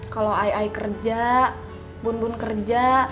kalo ae ae kerja bun bun kerja